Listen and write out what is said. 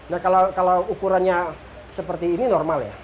nah kalau ukurannya seperti ini normal ya